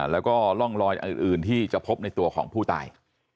แล้วก็ร่องรอยอื่นที่จะพบในตัวของผู้ตาย